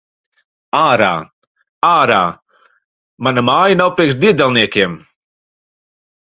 Ārā! Ārā! Mana māja nav priekš diedelniekiem!